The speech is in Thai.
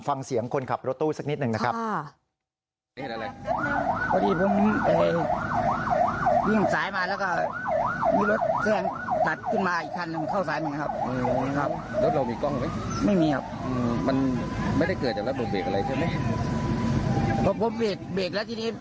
ฟังเสียงคนขับรถตู้สักนิดหนึ่งนะครับ